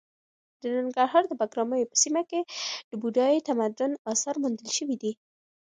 د ننګرهار د بګراميو په سیمه کې د بودايي تمدن اثار موندل شوي دي.